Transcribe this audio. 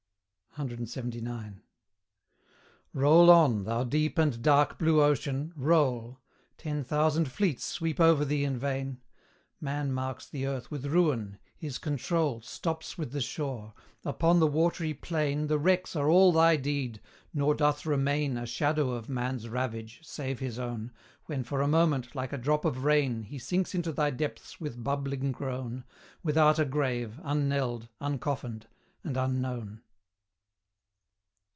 CLXXIX. Roll on, thou deep and dark blue Ocean roll! Ten thousand fleets sweep over thee in vain; Man marks the earth with ruin his control Stops with the shore; upon the watery plain The wrecks are all thy deed, nor doth remain A shadow of man's ravage, save his own, When for a moment, like a drop of rain, He sinks into thy depths with bubbling groan, Without a grave, unknelled, uncoffined, and unknown.